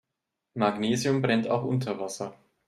Magnesium brennt auch unter Wasser.